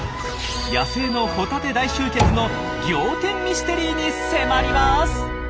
野生のホタテ大集結のギョー天ミステリーに迫ります！